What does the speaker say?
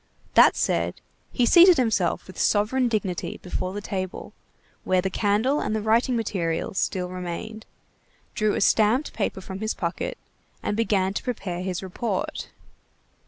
That said, he seated himself with sovereign dignity before the table, where the candle and the writing materials still remained, drew a stamped paper from his pocket, and began to prepare his report.